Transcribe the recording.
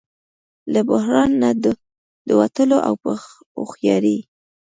له بحران نه د وتلو او په هوښیارۍ